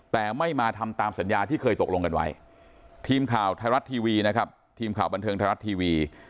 แต่ไม่มาทำตามสัญญาที่เคยตกลงกันไว้ทีมข่าวไทยรัฐทีวีนะครับทีมข่าวบันเทิงไทยรัฐทีวี